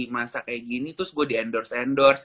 masa kayak gini terus gue di endorse endorse